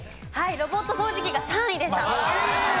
ロボット掃除機が３位でした。